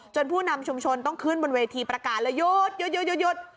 ผู้นำชุมชนต้องขึ้นบนเวทีประกาศเลยหยุดหยุด